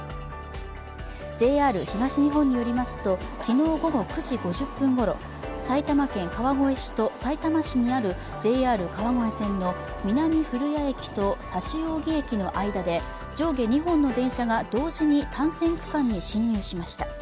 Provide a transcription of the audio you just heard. ＪＲ東日本によりますと昨日午後９時５０分ごろ埼玉県川越市とさいたま市にあるＪＲ川越線の南古谷駅と指扇駅の間で上下２本の電車が同時に単線区間に進入しました。